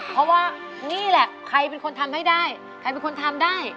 เพราะว่านี่แหละใครเป็นคนทำให้ได้ใครเป็นคนทำได้